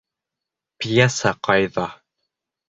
Пьеса ҡайҙа?